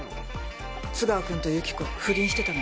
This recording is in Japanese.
津川君と由紀子不倫してたの。